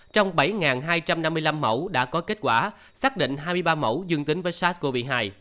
trong bảy hai trăm năm mươi năm mẫu đã có kết quả xác định hai mươi ba mẫu dương tính với sars cov hai